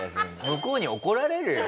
向こうに怒られるよ！